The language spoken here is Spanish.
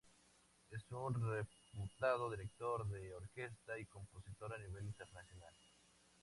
Es un reputado director de orquesta y compositor a nivel internacional.